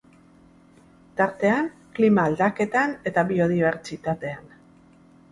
Tartean, klima-aldaketan eta biodibertsitatean.